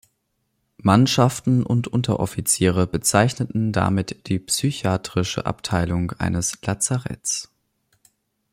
Mannschaften und Unteroffiziere bezeichneten damit die psychiatrische Abteilung eines Lazaretts.